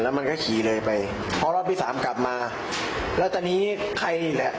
มันก็ขี่เลยไปเพราะรอบที่สามกลับมาแล้วตอนนี้ใครนี่แหละ